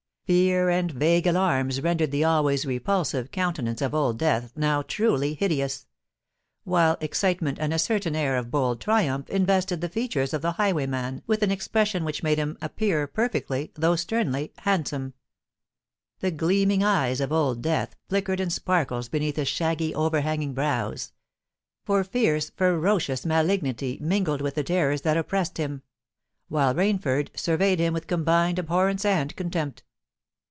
Fear and vague alarms rendered the always repulsive countenance of Old Death now truly hideous; while excitement and a certain air of bold triumph invested the features of the highwayman with an expression which made him appear perfectly, though sternly handsome. The gleaming eyes of Old Death flickered in sparkles beneath his shaggy, overhanging brows—for fierce, ferocious malignity mingled with the terrors that oppressed him;—while Rainford surveyed him with combined abhorrence and contempt.